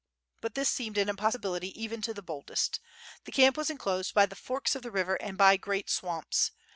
But this seemed an impossibility even to the boldest. The camp was enclosed by the forks of the river and by great swamps.